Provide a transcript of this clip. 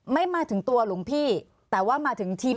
ไม่มาถึงตัวหลวงพี่แต่ว่ามาถึงทีม